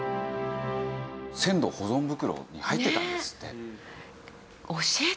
鮮度保存袋に入ってたんですって。